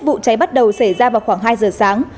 vụ cháy bắt đầu xảy ra vào khoảng hai giờ sáng